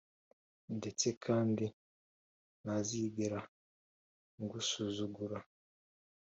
ndetse kandi ntazigera ngusuzugura,